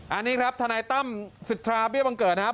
อันนี้ครับทนายตั้มสิทธาเบี้ยบังเกิดนะครับ